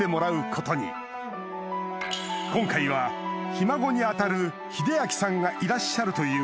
今回はひ孫に当たるヒデアキさんがいらっしゃるということで